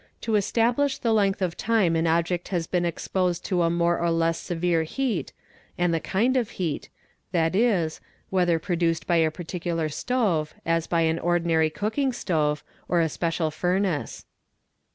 to establish the length of time an object has been exposed to a more or less severe heat, and the kind of heat, 7.e., whether produced by a particular stove, as by an ordinary cooking stove, or a special furnace.